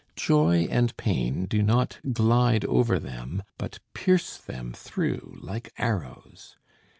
Joy and pain do not glide over them but pierce them through like arrows.